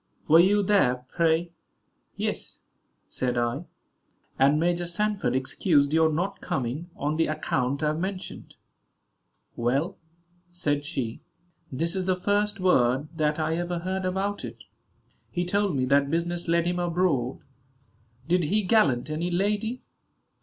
Were you there, pray?" "Yes," said I; "and Major Sanford excused your not coming, on the account I have mentioned." "Well," said she, "this is the first word that I ever heard about it; he told me that business led him abroad. Did he gallant any lady?"